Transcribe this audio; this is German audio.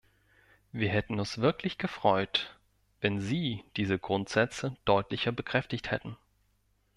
Wir hätten uns wirklich gefreut, wenn Sie diese Grundsätze deutlicher bekräftigt hätten.